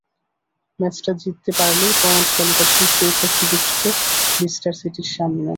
ম্যাচটা জিততে পারলেই পয়েন্ট তালিকার শীর্ষে ওঠার সুযোগ ছিল লিস্টার সিটির সামনে।